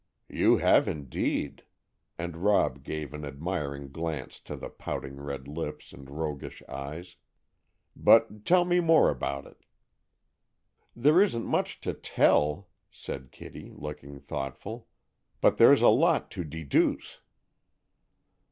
"You have, indeed;" and Rob gave an admiring glance to the pouting red lips, and roguish eyes. "But tell me more about it." "There isn't much to tell," said Kitty, looking thoughtful, "but there's a lot to deduce."